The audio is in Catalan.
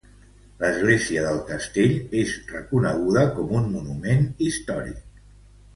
L'església del castell és reconeguda com un monument històric.